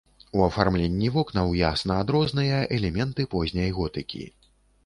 У афармленні вокнаў ясна адрозныя элементы позняй готыкі.